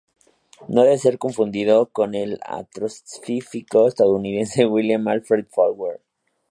No debe ser confundido con el astrofísico estadounidense William Alfred Fowler.